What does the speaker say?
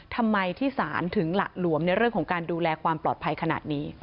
ทำไมที่ศาลถึงหละหลวมในเรื่องของการดูแลความปลอดภัยขนาดนี้